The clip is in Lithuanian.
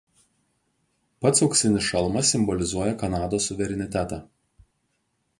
Pats auksinis šalmas simbolizuoja Kanados suverenitetą.